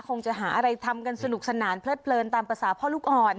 คงจะหาอะไรทำกันสนุกสนานเพลิดเลินตามภาษาพ่อลูกอ่อน